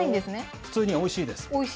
普通においしいです。